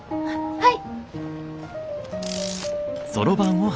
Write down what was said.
はい。